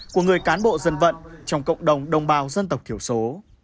của người cán bộ dân vận trong cộng đồng đồng bào dân tộc thiểu số